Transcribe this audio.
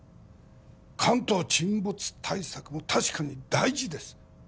関東沈没対策も確かに大事です